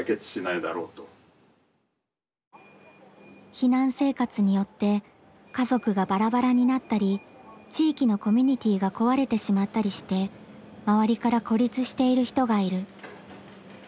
避難生活によって家族がバラバラになったり地域のコミュニティーが壊れてしまったりして周りから孤立している人がいる。